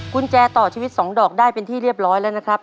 กุญแจต่อชีวิต๒ดอกได้เป็นที่เรียบร้อยแล้วนะครับ